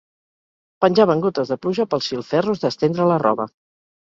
Penjaven gotes de pluja pels filferros d'estrendre la roba.